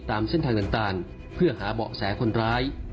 ตามเส้นทางต่างเพื่อหาเบาะแสคนร้าย